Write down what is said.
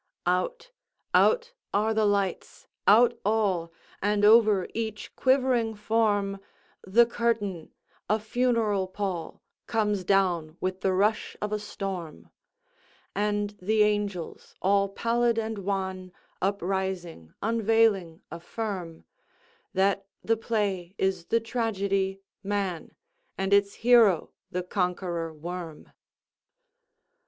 Out—out are the lights—out all! And over each quivering form, The curtain, a funeral pall, Comes down with the rush of a storm, And the angels, all pallid and wan, Uprising, unveiling, affirm That the play is the tragedy, "Man," And its hero the Conqueror Worm.